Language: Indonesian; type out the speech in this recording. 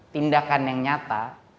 tindakan yang nyata